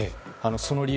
その理由